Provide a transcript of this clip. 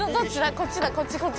こっちこっちこっち。